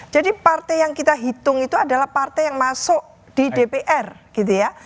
partai yang kita hitung itu adalah partai yang masuk di dpr gitu ya